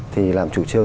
thì là một chủ trương